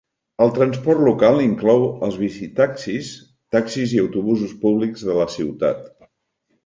El transport local inclou els bicitaxis, taxis i autobusos públics de la ciutat.